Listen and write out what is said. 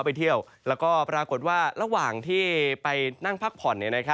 ไปเที่ยวแล้วก็ปรากฏว่าระหว่างที่ไปนั่งพักผ่อน